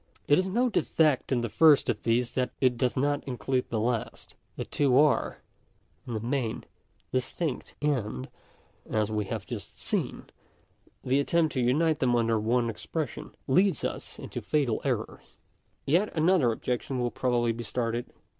It is no defect in the first of these that it does not include the last The two are, in the main, distinct ; and, as we have just seen, the attempt to unite them under one expression leads us into fatal errors. §5. Yet another objection will probably be started.